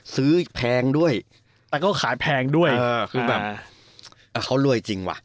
ซื้อแพงด้วยแต่ก็ขายแพงด้วยคือแบบเขารวยจริงว่ะ